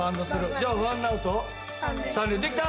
じゃあ、ワンアウト３塁、できた！